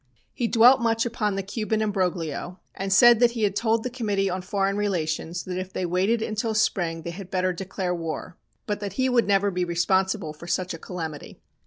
"He dwelt much upon the Cuban embroglio, and said that he had told the Committee on Foreign Relations that if they waited until spring they had better declare war, but that he would never be responsible for such a calamity.